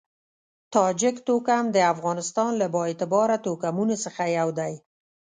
تاجک توکم د افغانستان له با اعتباره توکمونو څخه یو دی.